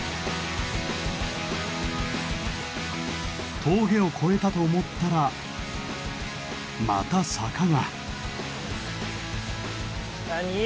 峠を越えたと思ったらまた坂が。